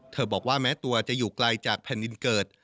บอกว่าแม้ตัวจะอยู่ไกลจากแผ่นดินเกิด